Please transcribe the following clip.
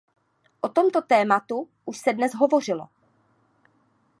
O tomto tématu už se dnes hovořilo.